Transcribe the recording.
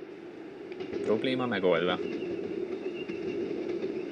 Probléma megoldva.